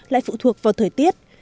lại phụ thuộc vào thời tiết